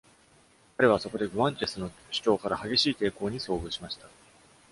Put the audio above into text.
彼はそこでグアンチェスの首長から激しい抵抗に遭遇しました。